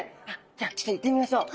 じゃあちょっと行ってみましょう。